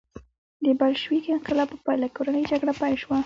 د بلشویک انقلاب په پایله کې کورنۍ جګړه پیل شوه